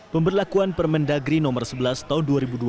pemberlakuan permendagri nomor sebelas tahun dua ribu dua puluh